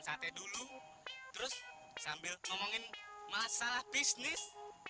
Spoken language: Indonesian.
sate dulu terus sambil ngomongin masalah bisnis